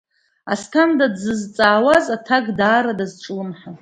Асҭанда дзызҵаауаз аҭак даара дазҿлымҳан.